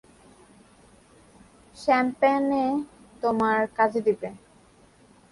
Champagne এ তোমার কাজে দিবে।